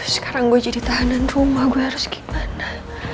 sekarang gue jadi tahanan rumah gue harus gimana